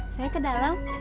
saya ke dalam